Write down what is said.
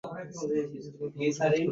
এইরূপে ক্রমশ পথ করিতে পারিব।